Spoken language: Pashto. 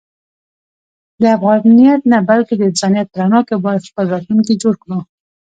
د افغانیت نه بلکې د انسانیت په رڼا کې باید خپل راتلونکی جوړ کړو.